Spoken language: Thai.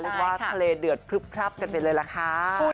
เรียกว่าและเดือดพลึ้บขลับกันเลยละค้า